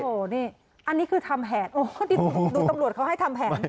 อันนี้คือทำแผนโอ้โฮดูตำรวจเขาให้ทำแผน